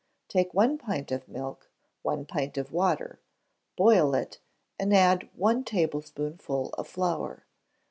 Take one pint of milk, one pint of water; boil it, and add one tablespoonful of flour.